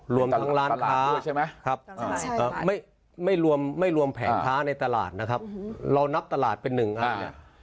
รวมทั้งร้านค้าใช่ไหมครับไม่รวมแผงค้าในตลาดนะครับเรานับตลาดเป็นหนึ่งอันเนี่ย